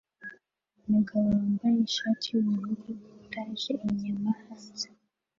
Umugabo wambaye ishati yubururu POTAGEs inyama hanze